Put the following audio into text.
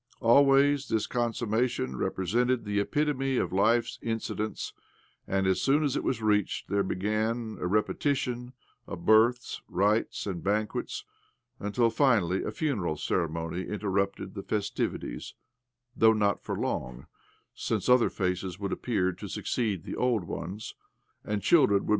Always this consum mation represented the epitome of life's inci dents, and as soon as it was reached there began a repetition of births, rites, and banquets, until, finally, a fimeral ceremony interrupted the festivities — though not for long, since othei;,,,, faces would appear ta succeed the old ones, and children would.